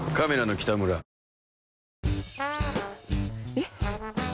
えっ⁉